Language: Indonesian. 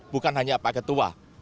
bukan hanya pak getua